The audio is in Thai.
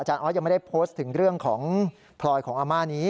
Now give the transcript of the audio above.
ออสยังไม่ได้โพสต์ถึงเรื่องของพลอยของอาม่านี้